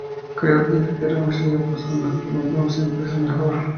Creo, y espero que me siga pasando, que el último siempre es el mejor…".